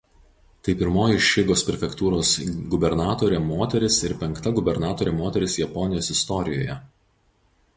Tai pirmoji Šigos prefektūros gubernatorė moteris ir penkta gubernatorė moteris Japonijos istorijoje.